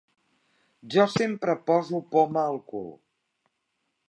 Jo sempre poso poma al cul.